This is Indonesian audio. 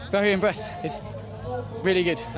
saya sangat baik saya menikmatinya